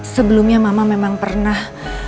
sebelumnya mama memang pernah